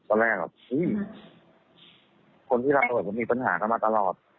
ตั้งแต่ไปก่อนตอนแรกคนที่เราก็มีปัญหากันมาตลอด